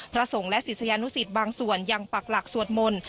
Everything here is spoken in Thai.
พระสงฆ์และศิษยานุสิตบางส่วนยังปักหลักสวดมนต์